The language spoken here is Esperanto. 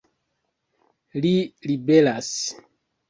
Li liberas!